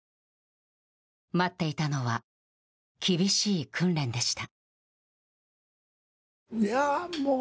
待っていたのは厳しい訓練でした。